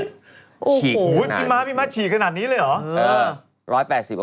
โอ้โหพี่ม้าพี่ม้าฉี่ขนาดนี้เลยเหรอ